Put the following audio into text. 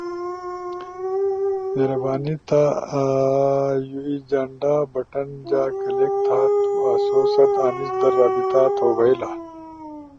ہربانی تھا یو ای جھنڈا بٹن جا کلک تھا۔ تو آسو ست انیس در رابطہ تھو بئیلا۔